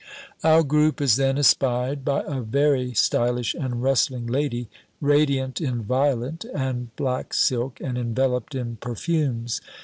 Our group is then espied by a very stylish and rustling lady, radiant in violet and black silk and enveloped in perfumes.